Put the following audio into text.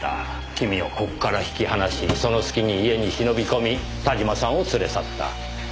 君をここから引き離しその隙に家に忍び込み田島さんを連れ去った。